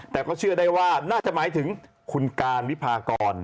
แต่ก็เชื่อได้ว่าน่าจะหมายถึงคุณการวิพากร